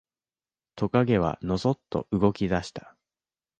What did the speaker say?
トカゲはのそっと動き出した。